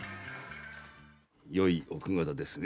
良い奥方ですね。